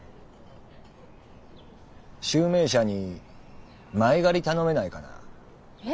集明社に前借り頼めないかな？え？